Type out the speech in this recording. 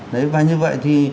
đấy và như vậy thì